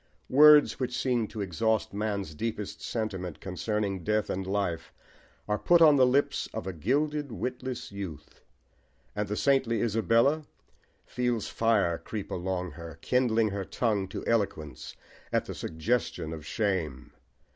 Words which seem to exhaust man's deepest sentiment concerning death and life are put on the lips of a gilded, witless youth; and the saintly Isabella feels fire creep along her, kindling her tongue to eloquence at the suggestion of shame.